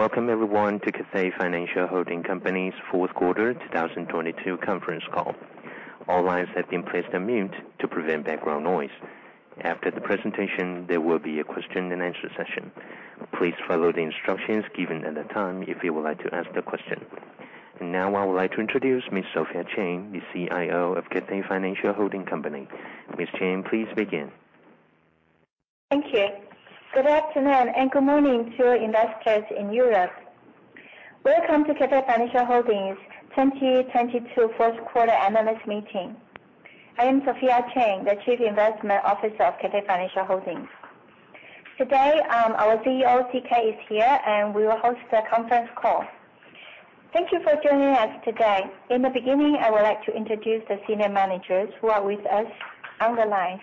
Welcome everyone to Cathay Financial Holding Company's fourth quarter 2022 conference call. All lines have been placed on mute to prevent background noise. After the presentation, there will be a question and answer session. Please follow the instructions given at the time if you would like to ask a question. Now I would like to introduce Ms. Sophia Cheng, the CIO of Cathay Financial Holding Company. Ms. Cheng, please begin. Thank you. Good afternoon, and good morning to our investors in Europe. Welcome to Cathay Financial Holdings 2022 fourth quarter analyst meeting. I am Sophia Cheng, the Chief Investment Officer of Cathay Financial Holdings. Today, our CEO, CK, is here, and will host the conference call. Thank you for joining us today. In the beginning, I would like to introduce the senior managers who are with us on the line.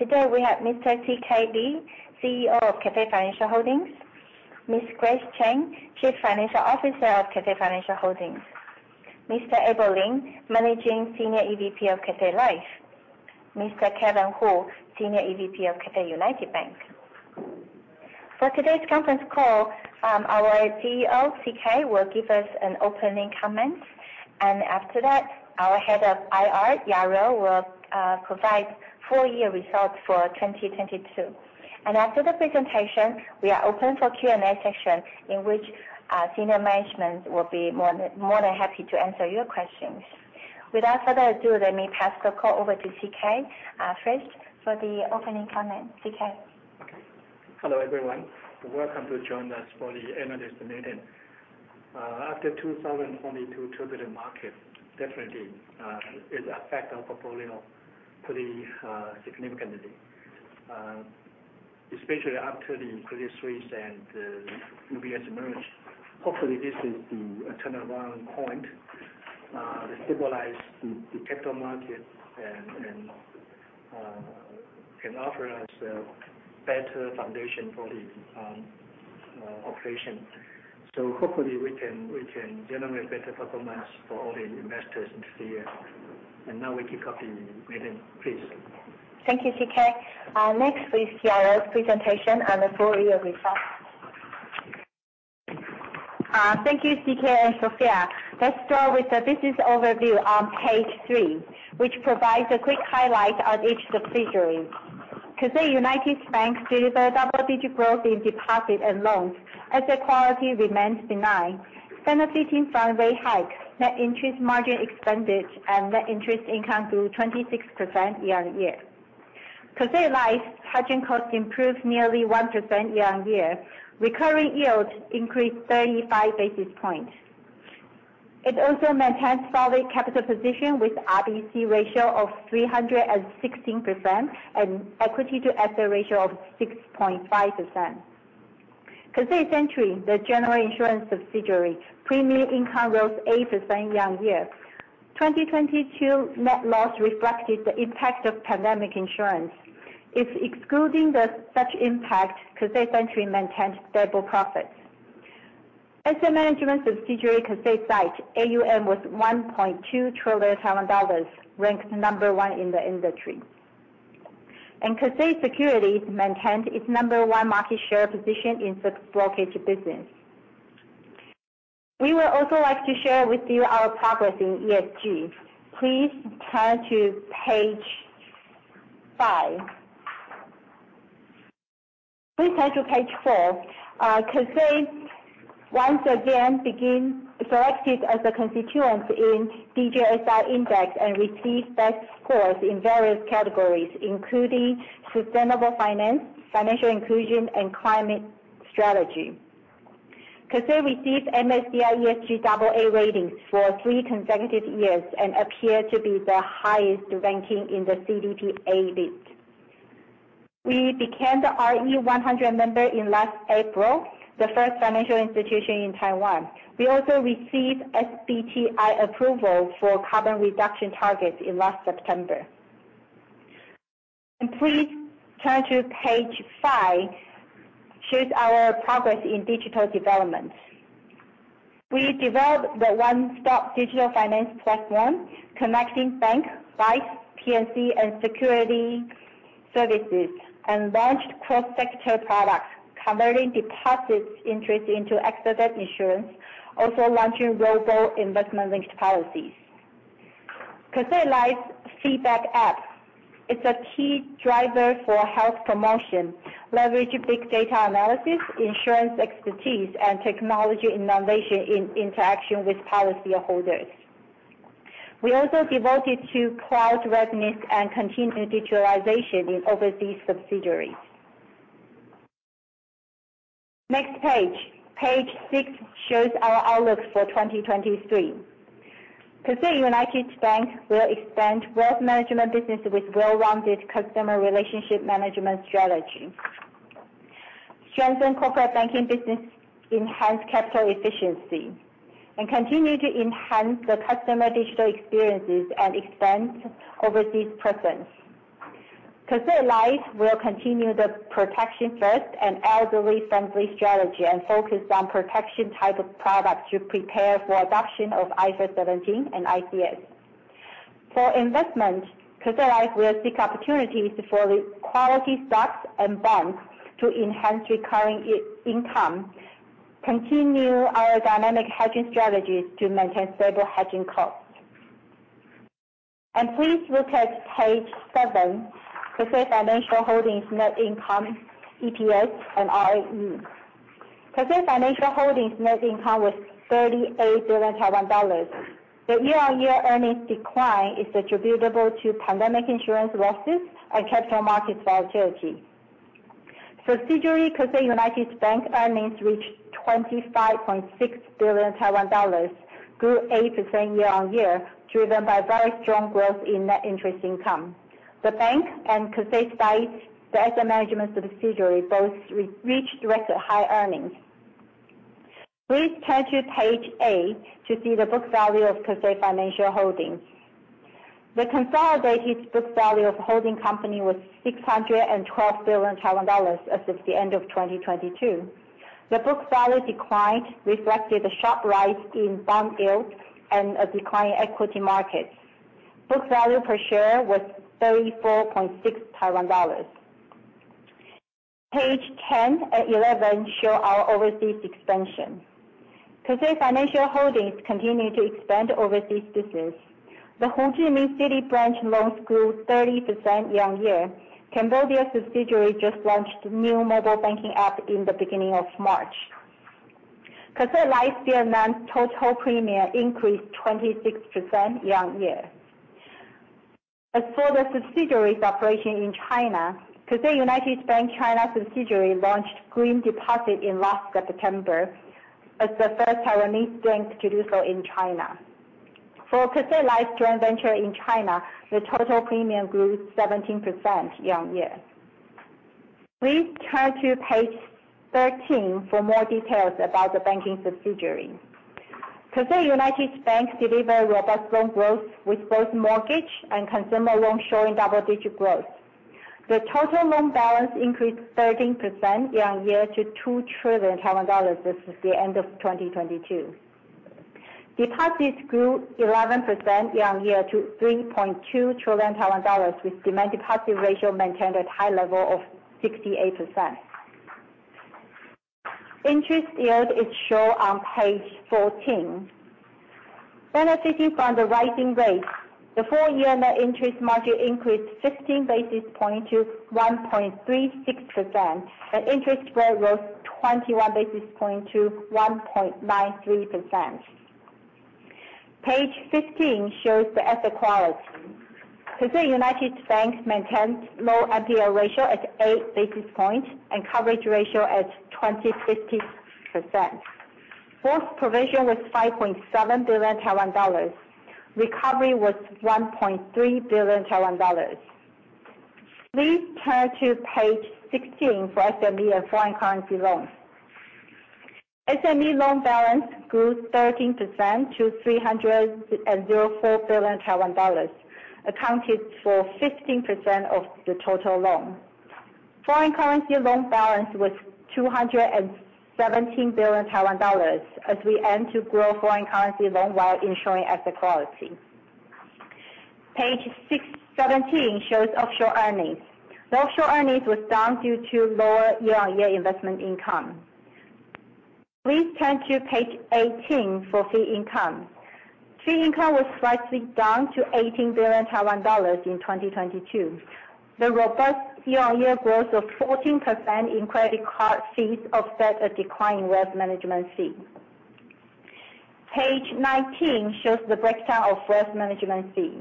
Today we have Mr. CK Lee, CEO of Cathay Financial Holdings, Ms. Grace Chen, Chief Financial Officer of Cathay Financial Holdings, Mr. Abel Lin, Managing Senior EVP of Cathay Life, Mr. Kevin Hu, Senior EVP of Cathay United Bank. For today's conference call, our CEO, CK, will give us an opening comment, and after that, our Head of IR, Yaro, will provide full-year results for 2022. After the presentation, we are open for Q&A session, in which senior management will be more than happy to answer your questions. Without further ado, let me pass the call over to CK first for the opening comment. CK? Okay. Hello, everyone, and welcome to join us for the analyst meeting. After 2022 turbulent market, definitely it affect our portfolio pretty significantly. Especially after the Credit Suisse and UBS merge. Hopefully, this is the turnaround point to stabilize the capital market and can offer us a better foundation for the operation. Hopefully, we can generate better performance for all the investors this year. Now we kick off the meeting, please. Thank you, CK. Next is Yajou's presentation on the full year results. Thank you, CK and Sophia Cheng. Let's start with the business overview on page three, which provides a quick highlight of each subsidiary. Cathay United Bank delivered double-digit growth in deposit and loans. Asset quality remains benign. Benefiting from rate hike, net interest margin expanded and net interest income grew 26% year-on-year. Cathay Life's hedging cost improved nearly 1% year-on-year. Recurring yield increased 35 basis points. It also maintains solid capital position with RBC ratio of 316% and equity to asset ratio of 6.5%. Cathay Century, the general insurance subsidiary, premium income rose 8% year-on-year. 2022 net loss reflected the impact of pandemic insurance. If excluding such impact, Cathay Century maintained stable profits. Asset management subsidiary, Cathay SITE, AUM was 1.2 trillion Taiwan dollars, ranked number 1 in the industry. Cathay Securities maintained its number 1 market share position in the brokerage business. We would also like to share with you our progress in ESG. Please turn to page five. Please turn to page four. Cathay, once again, selected as a constituent in DJSI index and received best scores in various categories, including sustainable finance, financial inclusion, and climate strategy. Cathay received MSCI ESG AA ratings for three consecutive years and appeared to be the highest ranking in the CDP A list. We became the RE100 member in last April, the first financial institution in Taiwan. We also received SBTi approval for carbon reduction targets in last September. Please turn to page five, shows our progress in digital development. We developed the one-stop digital finance platform, connecting bank, life, P&C, and security services, and launched cross-sector products, converting deposits interest into accident insurance, also launching robo-investment linked policies. Cathay Life's FitBack app is a key driver for health promotion, leverage big data analysis, insurance expertise, and technology innovation in interaction with policy holders. We also devoted to cloud readiness and continued digitalization in overseas subsidiaries. Next page six, shows our outlook for 2023. Cathay United Bank will expand wealth management business with well-rounded customer relationship management strategy, strengthen corporate banking business, enhance capital efficiency, and continue to enhance the customer digital experiences and expand overseas presence. Cathay Life will continue the protection first and elderly-friendly strategy and focus on protection type of products to prepare for adoption of IFRS 17 and ICS. For investment, Cathay Life will seek opportunities for quality stocks and bonds to enhance recurring income, continue our dynamic hedging strategies to maintain stable hedging costs. Please look at page seven, Cathay Financial Holding net income, EPS and ROE. Cathay Financial Holding net income was $38 billion. The year-on-year earnings decline is attributable to pandemic insurance losses and capital market volatility. Subsidiary, Cathay United Bank earnings reached $25.6 billion, grew 8% year-on-year, driven by very strong growth in net interest income. The bank and Cathay's asset management subsidiary both reached record high earnings. Please turn to page eight to see the book value of Cathay Financial Holding. The consolidated book value of holding company was $612 billion as of the end of 2022. The book value declined, reflecting the sharp rise in bond yields and a decline in equity markets. Book value per share was 34.6 Taiwan dollars. Page 10 and 11 show our overseas expansion. Cathay Financial Holdings continue to expand overseas business. The Ho Chi Minh City branch loans grew 30% year-on-year. Cambodia subsidiary just launched new mobile banking app in the beginning of March. Cathay Life Vietnam total premium increased 26% year-on-year. As for the subsidiaries operating in China, Cathay United Bank China subsidiary launched green deposit in last September, as the first Taiwanese bank to do so in China. For Cathay Life's joint venture in China, the total premium grew 17% year-on-year. Please turn to page 13 for more details about the banking subsidiary. Cathay United Bank delivered robust loan growth with both mortgage and consumer loans showing double-digit growth. The total loan balance increased 13% year-on-year to 2 trillion Taiwan dollars since the end of 2022. Deposits grew 11% year-on-year to 3.2 trillion Taiwan dollars, with demand deposit ratio maintained at high level of 68%. Interest yield is shown on page 14. Benefiting from the rising rates, the full year net interest margin increased 15 basis points to 1.36%, and interest rate rose 21 basis points to 1.93%. Page 15 shows the asset quality. Cathay United Bank maintains low NPL ratio at 8 basis points, and coverage ratio at 2,050%. Cost provision was 5.7 billion Taiwan dollars. Recovery was 1.3 billion Taiwan dollars. Please turn to page 16 for SME and foreign currency loans. SME loan balance grew 13% to 304 billion Taiwan dollars, accounted for 15% of the total loan. Foreign currency loan balance was 217 billion Taiwan dollars, as we aim to grow foreign currency loan while ensuring asset quality. Page 17 shows offshore earnings. The offshore earnings was down due to lower year-on-year investment income. Please turn to page 18 for fee income. Fee income was slightly down to 18 billion Taiwan dollars in 2022. The robust year-on-year growth of 14% in credit card fees offset a decline in wealth management fee. Page 19 shows the breakdown of wealth management fee.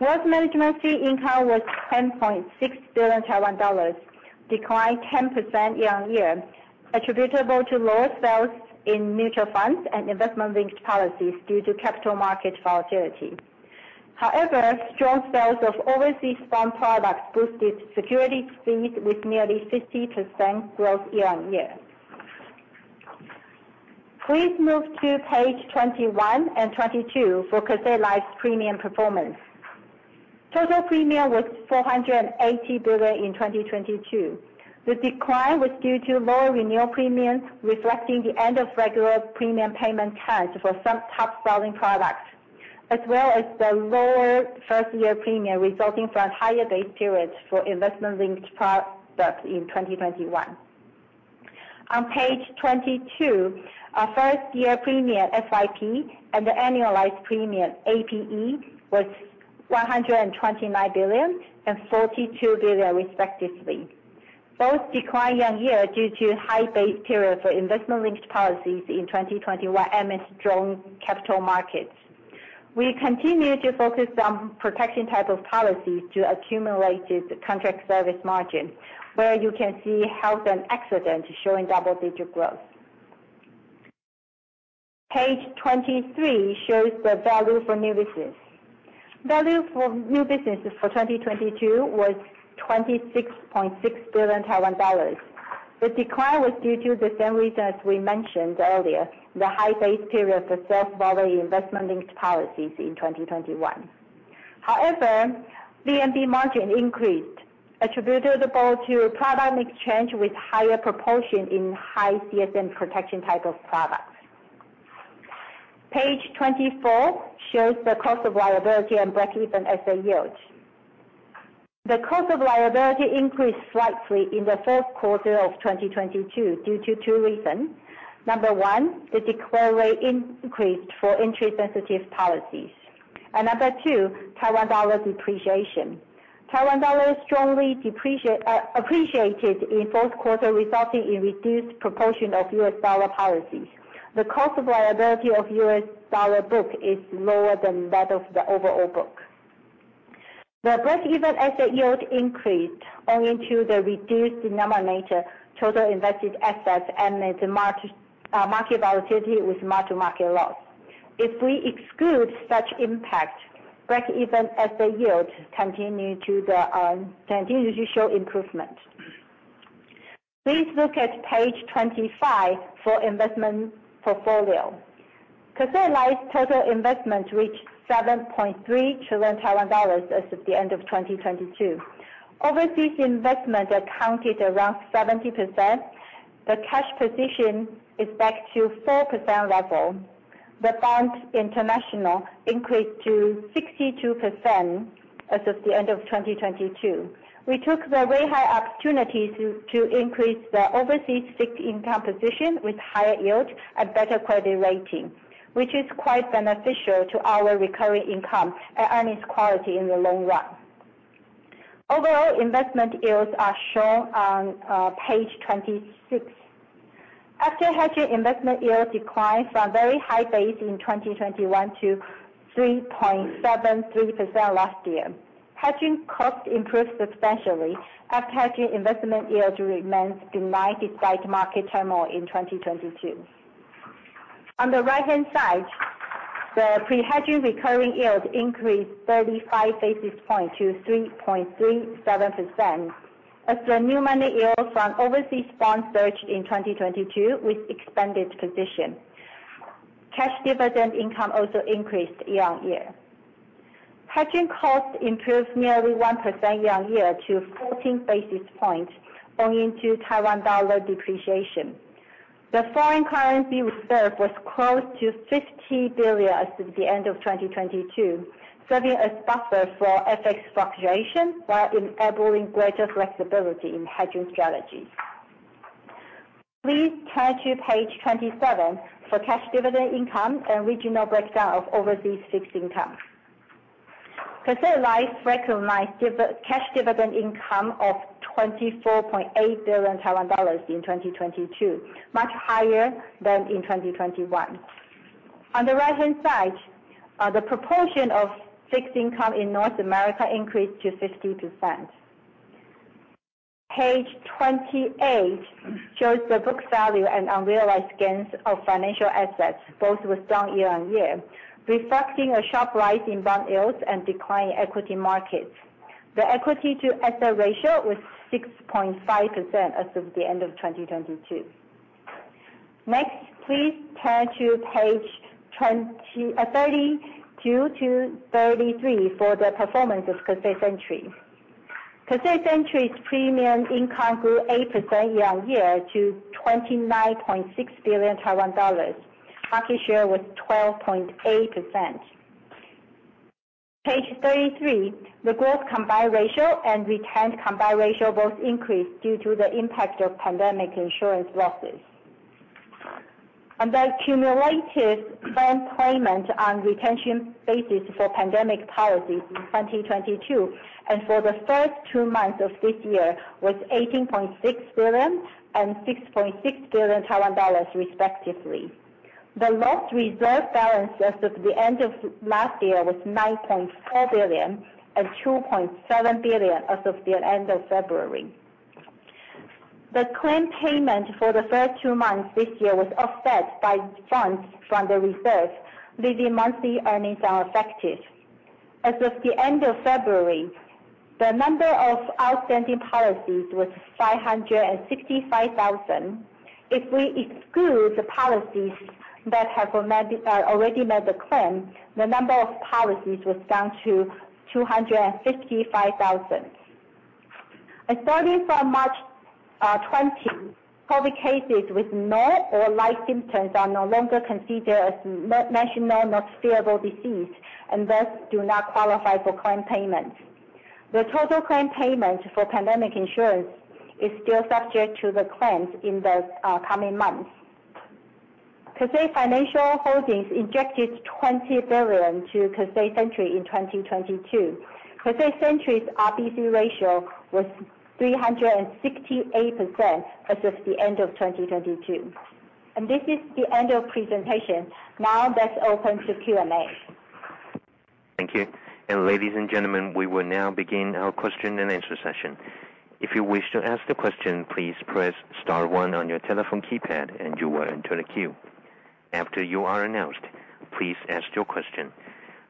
Wealth management fee income was 10.6 billion TWD, declined 10% year-on-year, attributable to lower sales in mutual funds and investment-linked policies due to capital market volatility. However, strong sales of overseas fund products boosted security fees with nearly 50% growth year-on-year. Please move to page 21 and 22 for Cathay Life's premium performance. Total premium was 480 billion TWD in 2022. The decline was due to lower renewal premiums, reflecting the end of regular premium payment terms for some top-selling products, as well as the lower first-year premium resulting from higher base periods for investment-linked products in 2021. On page 22, our first-year premium, FYP, and the annualized premium, APE, was 129 billion TWD and 42 billion TWD respectively. Both declined year-on-year due to high base period for investment-linked policies in 2021 amidst strong capital markets. We continue to focus on protection type of policies to accumulated contract service margin, where you can see health and accident showing double-digit growth. Page 23 shows the value for new business. Value for new businesses for 2022 was 26.6 billion Taiwan dollars. The decline was due to the same reason as we mentioned earlier, the high base period for sales value investment-linked policies in 2021. However, VNB margin increased, attributable to product mix change with higher proportion in high CSM protection type of products. Page 24 shows the cost of liability and break-even asset yield. The cost of liability increased slightly in the fourth quarter of 2022 due to two reasons. Number one, the declared rate increased for interest-sensitive policies. Number two, Taiwan dollar depreciation. Taiwan dollar strongly appreciated in fourth quarter, resulting in reduced proportion of US dollar policies. The cost of liability of US dollar book is lower than that of the overall book. The break-even asset yield increased owing to the reduced denominator, total invested assets, and the market volatility with much market loss. If we exclude such impact, break-even asset yield continues to show improvement. Please look at page 25 for investment portfolio. Cathay Life total investments reached 7.3 trillion Taiwan dollars as of the end of 2022. Overseas investments accounted around 70%. The cash position is back to 4% level. The bond international increased to 62% as of the end of 2022. We took the very high opportunities to increase the overseas fixed income position with higher yield and better credit rating, which is quite beneficial to our recurring income and earnings quality in the long run. Overall investment yields are shown on page 26. After hedging investment yield declined from very high base in 2021 to 3.73% last year. Hedging cost improved substantially. After hedging investment yield remains benign despite market turmoil in 2022. On the right-hand side, the pre-hedging recurring yield increased 35 basis points to 3.37%. As the new money yield from overseas bond surged in 2022 with expanded position. Cash dividend income also increased year-on-year. Hedging cost improved nearly 1% year-on-year to 14 basis points owing to Taiwan dollar depreciation. The foreign currency reserve was close to 50 billion as of the end of 2022, serving as buffer for FX fluctuation while enabling greater flexibility in hedging strategies. Please turn to page 27 for cash dividend income and regional breakdown of overseas fixed income. Cathay Life recognized cash dividend income of 24.8 billion Taiwan dollars in 2022, much higher than in 2021. On the right-hand side, the proportion of fixed income in North America increased to 50%. Page 28 shows the book value and unrealized gains of financial assets, both were down year-on-year, reflecting a sharp rise in bond yields and decline in equity markets. The equity to asset ratio was 6.5% as of the end of 2022. Next, please turn to page 32 to 33 for the performance of Cathay Century. Cathay Century's premium income grew 8% year-on-year to 29.6 billion Taiwan dollars. Market share was 12.8%. Page 33, the gross combined ratio and retained combined ratio both increased due to the impact of pandemic insurance losses. The cumulative claim payment on retention basis for pandemic policies in 2022 and for the first two months of this year was 18.6 billion and 6.6 billion Taiwan dollars, respectively. The loss reserve balance as of the end of last year was 9.4 billion and 2.7 billion as of the end of February. The claim payment for the first two months this year was offset by funds from the reserve, leaving monthly earnings unaffected. As of the end of February, the number of outstanding policies was 565,000. If we exclude the policies that have already made the claim, the number of policies was down to 255,000. Starting from March 20, COVID cases with mild or light symptoms are no longer considered as notifiable disease, and thus do not qualify for claim payment. The total claim payment for pandemic insurance is still subject to the claims in the coming months. Cathay Financial Holdings injected 20 billion to Cathay Century in 2022. Cathay Century's RBC ratio was 368% as of the end of 2022. This is the end of presentation. Now let's open to Q&A. Thank you. Ladies and gentlemen, we will now begin our question and answer session. If you wish to ask the question, please press star one on your telephone keypad and you will enter the queue. After you are announced, please ask your question.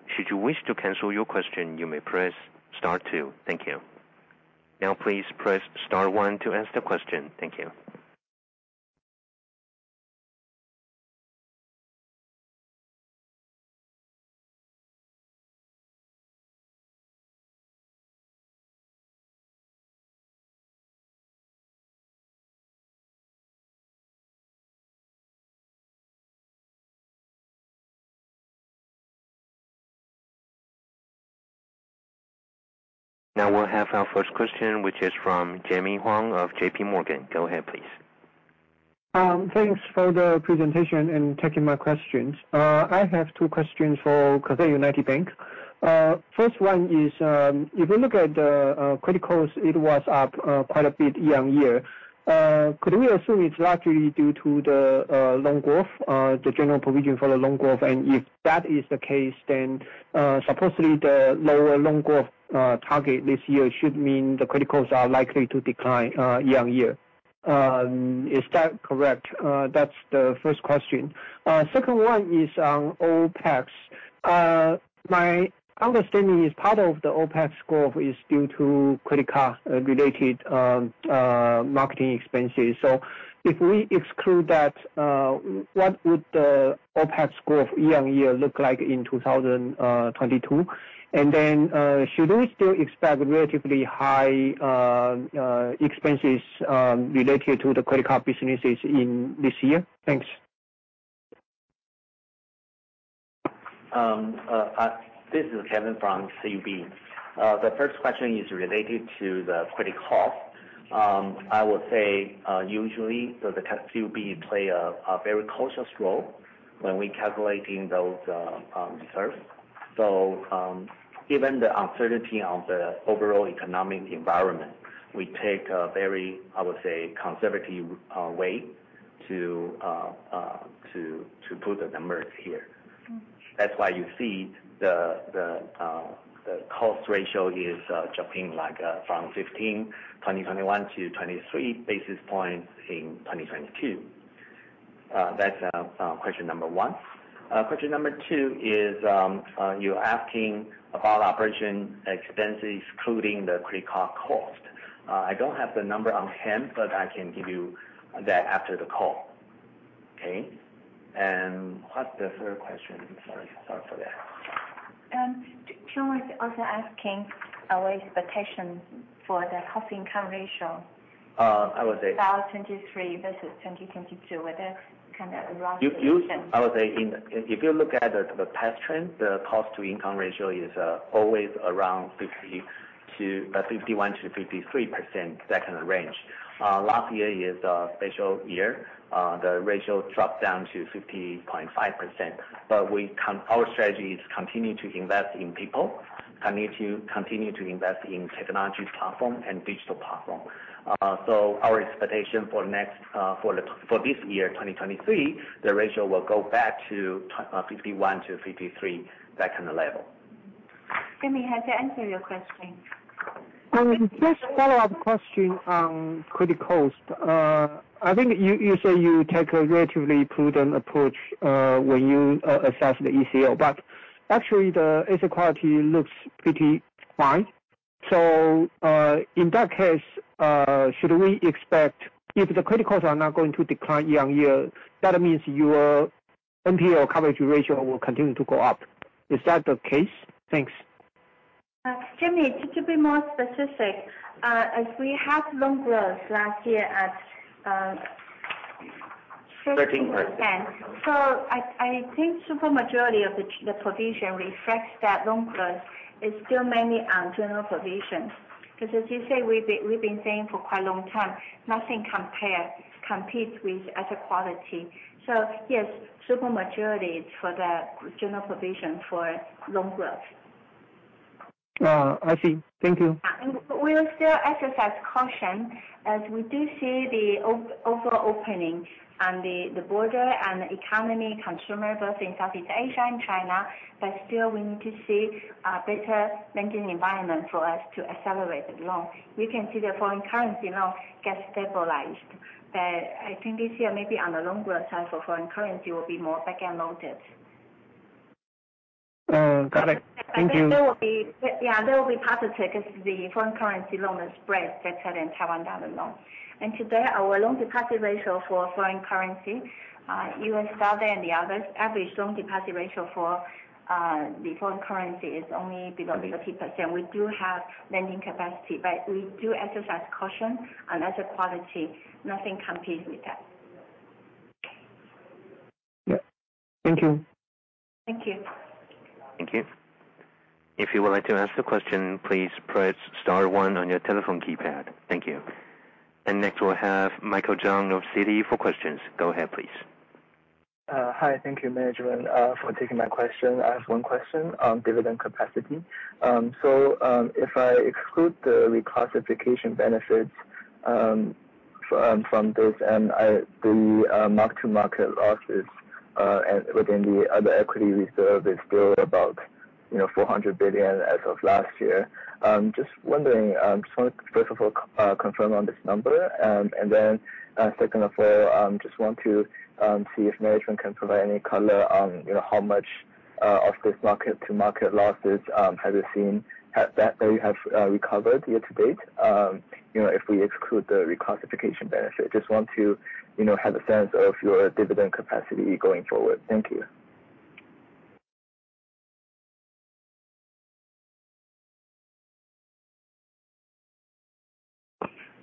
Should you wish to cancel your question, you may press star two. Thank you. Please press star one to ask the question. Thank you. We'll have our first question, which is from Jimmy Huang of JPMorgan. Go ahead, please. Thanks for the presentation and taking my questions. I have two questions for Cathay United Bank. First one is, if we look at the credit costs, it was up quite a bit year-on-year. Could we assume it's largely due to the loan growth, the general provision for the loan growth? If that is the case, then supposedly the lower loan growth target this year should mean the credit costs are likely to decline year-on-year. Is that correct? That's the first question. Second one is on OPEX. My understanding is part of the OPEX growth is due to credit card-related marketing expenses. If we exclude that, what would the OPEX growth year-on-year look like in 2022? Then, should we still expect relatively high expenses related to the credit card businesses in this year? Thanks. This is Kevin from CUB. The first question is related to the credit cost. I would say, usually, the Cathay United Bank plays a very cautious role when we calculating those reserves. Given the uncertainty of the overall economic environment, we take a very, I would say, conservative way to put the numbers here. That's why you see the cost ratio is jumping from 15 in 2021 to 23 basis points in 2022. That's question number one. Question number two is, you're asking about operating expenses excluding the credit card cost. I don't have the number on hand, but I can give you that after the call. Okay. What's the third question? Sorry for that. Jimmy was also asking our expectation for the cost income ratio. I would say- About 2023 versus 2022, with a kind of rough estimation. I would say, if you look at the past trend, the cost to income ratio is always around 51%-53%, that kind of range. Last year is a special year. The ratio dropped down to 50.5%. Our strategy is continue to invest in people, continue to invest in technology platform and digital platform. Our expectation for this year, 2023, the ratio will go back to 51%-53%, that kind of level. Jimmy, has that answered your question? Just a follow-up question on credit cost. I think you say you take a relatively prudent approach when you assess the ACL, actually the asset quality looks pretty fine. In that case, should we expect if the credit costs are not going to decline year-on-year, that means your NPL coverage ratio will continue to go up. Is that the case? Thanks. Jimmy, to be more specific, as we have loan growth last year at 15%. 13%. I think super majority of the provision reflects that loan growth is still mainly on general provisions. As you say, we've been saying for quite a long time, nothing competes with asset quality. Yes, super majority is for the general provision for loan growth. I see. Thank you. We'll still exercise caution as we do see the overall opening on the border and the economy consumer, both in Southeast Asia and China. Still, we need to see a better lending environment for us to accelerate the loan. We can see the foreign currency loan get stabilized. I think this year, maybe on the loan growth side for foreign currency, will be more back-end loaded. Got it. Thank you. Yeah, that will be positive because the foreign currency loan is spread better than Taiwan dollar loan. Today, our loan deposit ratio for foreign currency, US dollar and the others, average loan deposit ratio for the foreign currency is only below 30%. We do have lending capacity, but we do exercise caution on asset quality. Nothing competes with that. Yeah. Thank you. Thank you. Thank you. If you would like to ask the question, please press *1 on your telephone keypad. Thank you. Next we'll have Michael Zhang of Citi for questions. Go ahead, please. If I exclude the reclassification benefits from this, the mark-to-market losses within the other equity reserve is still about 400 billion as of last year. Just want to first of all confirm on this number, and then second of all, just want to see if management can provide any color on how much market-to-market losses have you seen that they have recovered year to date if we exclude the reclassification benefit? Just want to have a sense of your dividend capacity going forward. Thank you.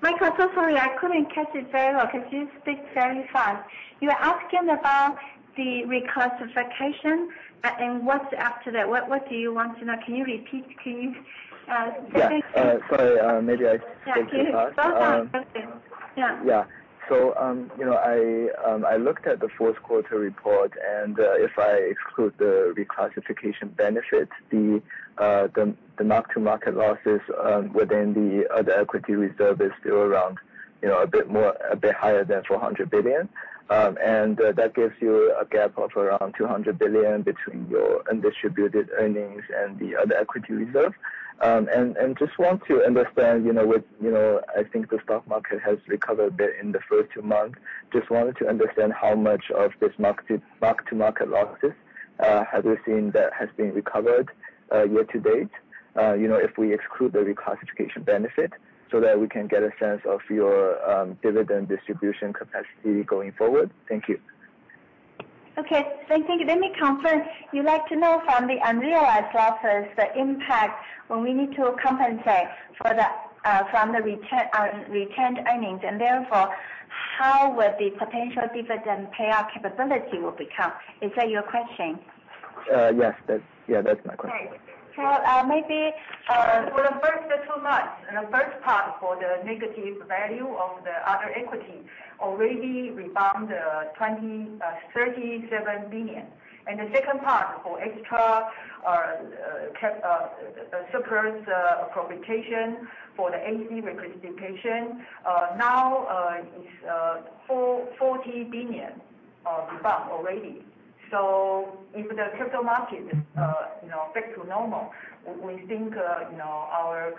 Michael, sorry, I couldn't catch it very well because you speak very fast. You are asking about the reclassification, and what's after that? What do you want to know? Can you repeat, please? Yeah. Sorry. Maybe I speak too fast. No. It's okay. Yeah. I looked at the fourth quarter report, if I exclude the reclassification benefit, the mark-to-market losses within the other equity reserve is still around a bit higher than 400 billion. That gives you a gap of around 200 billion between your undistributed earnings and the other equity reserve. Just want to understand, I think the stock market has recovered a bit in the first two months. Just wanted to understand how much of this mark-to-market losses have you seen that has been recovered year-to-date, if we exclude the reclassification benefit, so that we can get a sense of your dividend distribution capacity going forward. Thank you. Okay. Thank you. Let me confirm. You like to know from the unrealized losses, the impact when we need to compensate from the retained earnings, therefore, how will the potential dividend payout capability will become? Is that your question? Yes. That's my question. Maybe for the first two months, the first part for the negative value of the other equity already rebound 37 billion. The second part for extra surplus appropriation for the AC reclassification, now it's 40 billion of rebound already. If the capital market is back to normal, we think our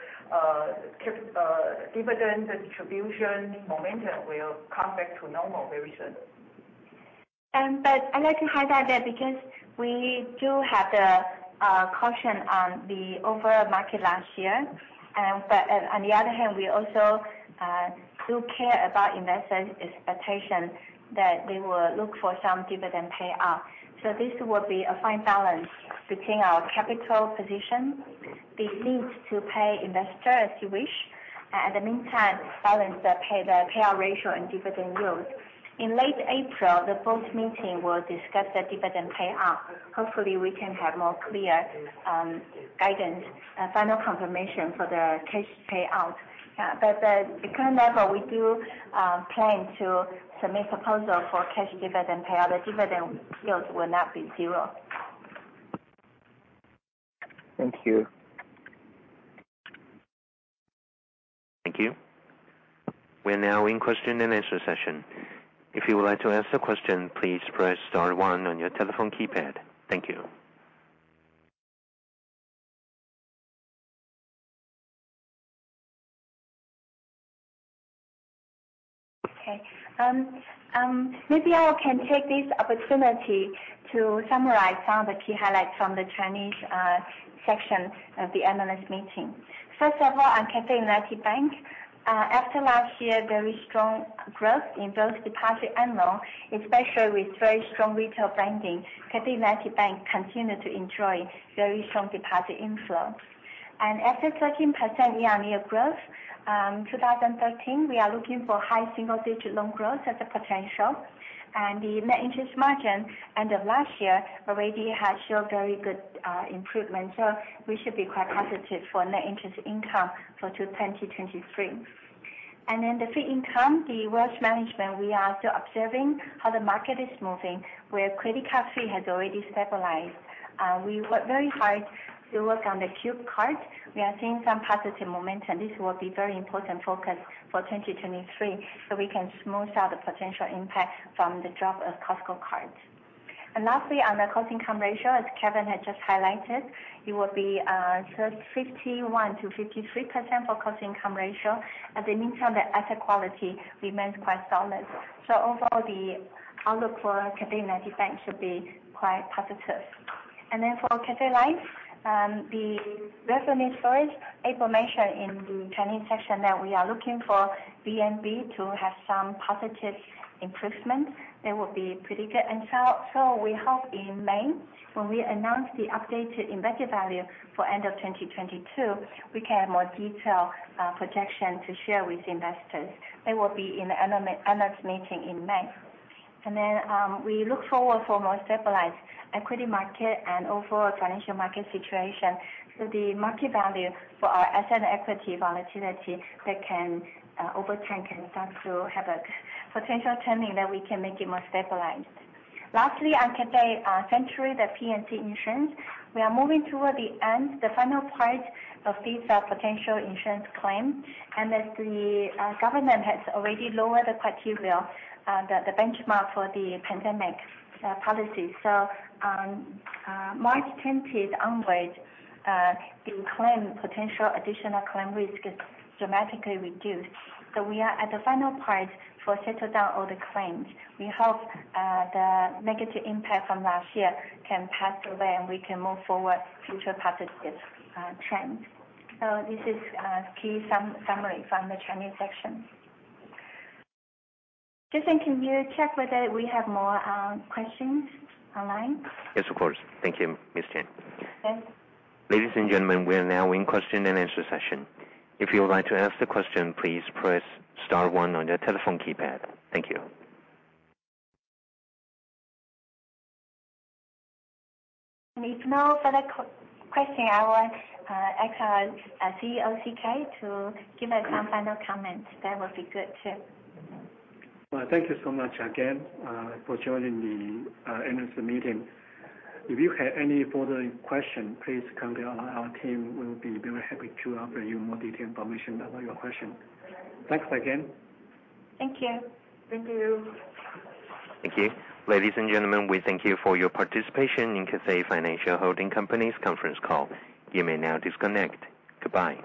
dividend distribution momentum will come back to normal very soon. I'd like to highlight that because we do have the caution on the overall market last year. On the other hand, we also do care about investors' expectation that they will look for some dividend payout. This will be a fine balance between our capital position, the need to pay investor as you wish, and in the meantime, balance the payout ratio and dividend growth. In late April, the board meeting will discuss the dividend payout. Hopefully, we can have more clear guidance, final confirmation for the cash payout. At current level, we do plan to submit proposal for cash dividend payout. The dividend yields will not be zero. Thank you. Thank you. We are now in question and answer session. If you would like to ask a question, please press star one on your telephone keypad. Thank you. Okay. Maybe I can take this opportunity to summarize some of the key highlights from the Chinese section of the analyst meeting. First of all, on Cathay United Bank, after last year, very strong growth in both deposit and loan, especially with very strong retail banking. Cathay United Bank continue to enjoy very strong deposit inflow. After 13% year-on-year growth, 2023, we are looking for high single-digit loan growth as a potential. The net interest margin end of last year already has showed very good improvement. We should be quite positive for net interest income for 2023. The fee income, the wealth management, we are still observing how the market is moving, where credit card fee has already stabilized. We work very hard to work on the CUBE Card. We are seeing some positive momentum. This will be very important focus for 2023, so we can smooth out the potential impact from the drop of Costco cards. Lastly, on the cost income ratio, as Kevin had just highlighted, it will be 51%-53% for cost income ratio. In the meantime, the asset quality remains quite solid. Overall, the outlook for Cathay United Bank should be quite positive. For Cathay Life, the revenue story, April mentioned in the Chinese section that we are looking for VNB to have some positive improvement. They will be pretty good. We hope in May, when we announce the updated invested value for end of 2022, we can have more detailed projection to share with investors. They will be in the analyst meeting in May. We look forward for more stabilized equity market and overall financial market situation. The market value for our asset and equity volatility that can over time can start to have a potential turning that we can make it more stabilized. Lastly, on Cathay Century, the P&C insurance, we are moving toward the end. The final part of these potential insurance claim, and as the government has already lowered the criteria, the benchmark for the pandemic policy. On March 10th onwards, the potential additional claim risk is dramatically reduced. We are at the final part for settle down all the claims. We hope the negative impact from last year can pass away, and we can move forward future positive trend. This is a key summary from the Chinese section. Jason, can you check whether we have more questions online? Yes, of course. Thank you, Ms. Chen. Okay. Ladies and gentlemen, we are now in question and answer session. If you would like to ask the question, please press star one on your telephone keypad. Thank you. If no further question, I would ask our CEO, CK, to give some final comments. That would be good, too. Well, thank you so much again for joining the analyst meeting. If you have any further question, please contact our team. We will be very happy to offer you more detailed information about your question. Thanks again. Thank you. Thank you. Thank you. Ladies and gentlemen, we thank you for your participation in Cathay Financial Holding Company's conference call. You may now disconnect. Goodbye.